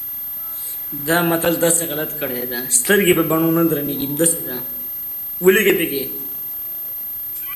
ـ په سترګو باڼه نه درنېږي.